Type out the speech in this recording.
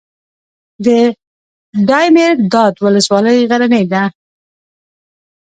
د دایمیرداد ولسوالۍ غرنۍ ده